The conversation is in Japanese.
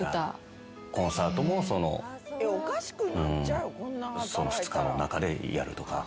コンサートもその２日の中でやるとか。